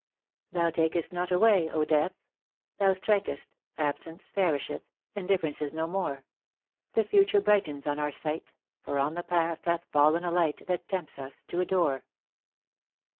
"Thou takest not away, O Death? Thou strikest — absence perisheth, Indifference is no more; The future brightens on our sight; For on the past hath fallen a light That tempts us to adore."